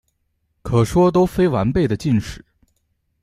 可说都非完备的晋史。